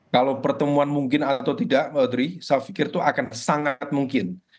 kalau pertemuan mungkin atau tidak madri saya pikir itu akan sangat mungkin